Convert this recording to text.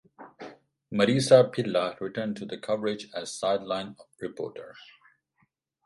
Marisa Pilla returned to the coverage as sideline reporter.